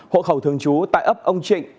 hộ khẩu thường trú tại ấp ông trịnh